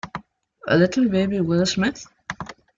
A little baby Will Smith?